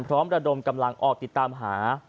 ระดมกำลังออกติดตามหา